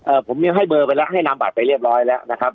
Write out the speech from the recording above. เอ่อผมเนี่ยให้เบอร์ไปแล้วให้น้ำบาทไปเรียบร้อยแล้วนะครับ